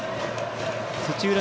土浦